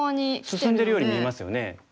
進んでるように見えますよね。